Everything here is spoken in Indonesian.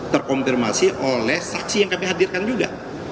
terkonfirmasi oleh saksi yang kami hadirkan juga